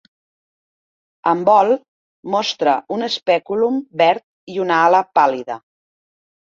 En vol, Mostra un espèculum verd i una ala pàl·lida.